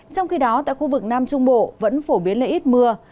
trong khi đó tại khu vực nam trung bộ vẫn phổ biến là ít mưa